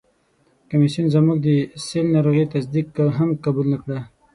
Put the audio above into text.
کمیسیون زموږ د سِل ناروغي تصدیق هم قبول نه کړ.